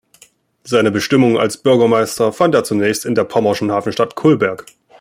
Seine Bestimmung als Bürgermeister fand er zunächst in der pommerschen Hafenstadt Kolberg.